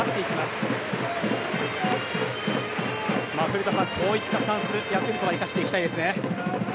古田さん、こういったチャンスをヤクルトは生かしていきたいですね。